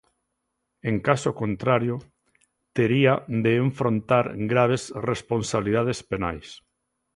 En caso contrario, tería de enfrontar graves responsabilidades penais.